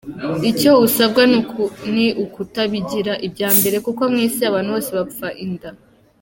Icyo usabwa ni ukutabigira ibya mbere, kuko mu isi abantu bose bapfa inda.